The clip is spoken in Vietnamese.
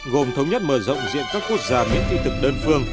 gồm thống nhất mở rộng diện các quốc gia miễn thị thực đơn phương